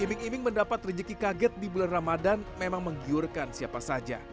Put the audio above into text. iming iming mendapat rezeki kaget di bulan ramadan memang menggiurkan siapa saja